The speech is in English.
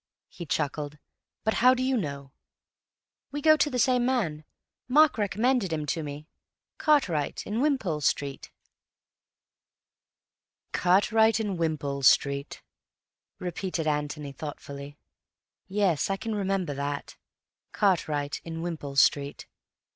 he chuckled. "But how do you know?" "We go to the same man; Mark recommended him to me. Cartwright, in Wimpole Street." "Cartwright in Wimpole Street," repeated Antony thoughtfully. "Yes, I can remember that. Cartwright in Wimpole Street.